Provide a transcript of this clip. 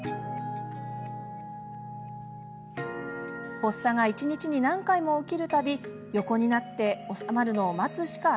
発作が一日に何回も起きる度横になって治まるのを待つしかありませんでした。